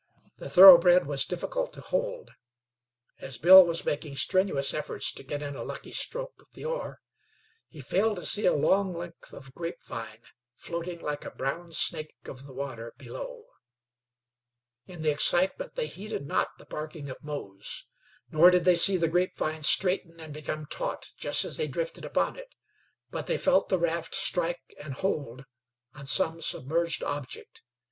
The thoroughbred was difficult to hold. As Bill was making strenuous efforts to get in a lucky stroke of the oar, he failed to see a long length of grapevine floating like a brown snake of the water below. In the excitement they heeded not the barking of Mose. Nor did they see the grapevine straighten and become taut just as they drifted upon it; but they felt the raft strike and hold on some submerged object.